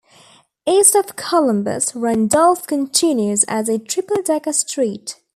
East of Columbus, Randolph continues as a triple-decker street.